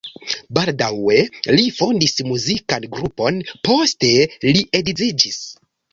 Baldaŭe li fondis muzikan grupon, poste li edziĝis.